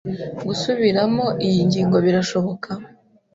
Gusubiramo iyi ngingo birashoboka?